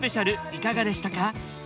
いかがでしたか？